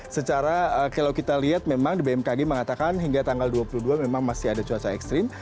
secara kalau kita lihat memang di bmkg mengatakan hingga tanggal dua puluh dua memang masih ada cuaca ekstrim